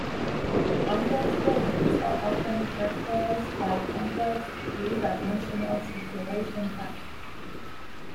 Ando's buildings are often characterized by complex three-dimensional circulation paths.